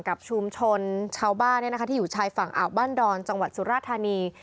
กับชุมชนชาวบ้านที่อยู่ชายฝั่งอ่าวบ้านดอนจังหวัดสุราธานี